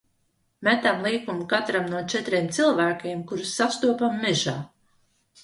Metam līkumu katram no četriem cilvēkiem, kurus sastopam mežā.